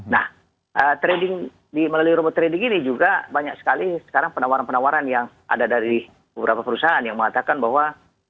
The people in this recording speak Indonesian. nah trading melalui robot trading ini juga banyak sekali sekarang penawaran penawaran yang ada dari beberapa perusahaan yang mengatakan bahwa